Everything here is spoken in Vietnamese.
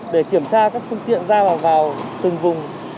để kiểm tra các phương tiện ra vào từng vùng